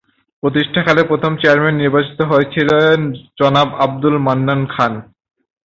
প্রতিষ্ঠাকালে প্রথম চেয়ারম্যান নির্বাচিত হয়েছিল জনাব আব্দুল মান্নান খান।